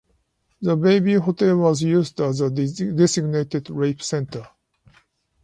The Bayview Hotel was used as a designated "rape center".